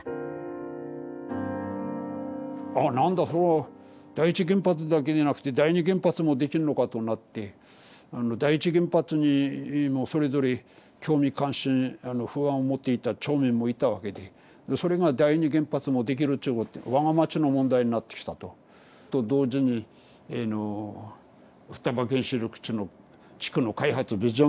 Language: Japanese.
「あ何だ第一原発だけでなくて第二原発もできるのか」となって第一原発にもそれぞれ興味関心不安を持っていた町民もいたわけでそれが第二原発もできるっちゅうことで我が町の問題になってきたと。と同時にあの双葉原子力地区の開発ビジョン